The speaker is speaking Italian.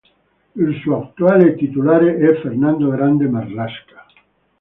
Il suo attuale titolare è Fernando Grande-Marlaska.